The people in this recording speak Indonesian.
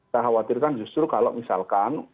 khawatirkan justru kalau misalkan